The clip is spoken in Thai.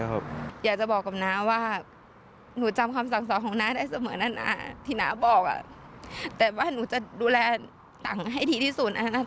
อยากจะบอกว่าหนูจำความสังสมของน้าได้เสมอหน้าน่าที่น้าบอกแต่ว่าหนูจะดูแลต่างให้ดีที่สุดนะนาก